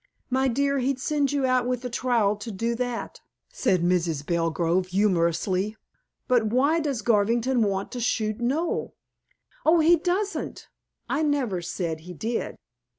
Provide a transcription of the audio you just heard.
"My dear, he'd send you out with a trowel to do that," said Mrs. Belgrove humorously. "But why does Garvington want to shoot Noel?" "Oh, he doesn't. I never said he did.